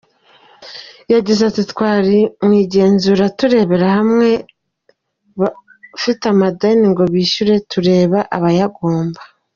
Yagize ati “ Twari mu igenzura tureba bamwe bafite amadeni ngo bishyure, tureba abayagomba.